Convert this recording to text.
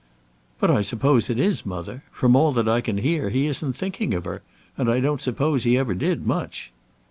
"But I suppose it is, mother. From all that I can hear he isn't thinking of her; and I don't suppose he ever did much."